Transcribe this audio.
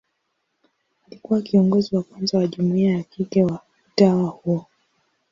Alikuwa kiongozi wa kwanza wa jumuia ya kike wa utawa huo.